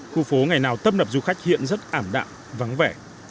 khu phố ngày nào tâm nập du khách hiện rất ảm đạm vắng vẻ